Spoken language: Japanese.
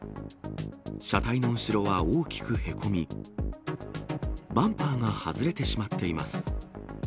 車体の後ろは大きくへこみ、バンパーが外れてしまっています。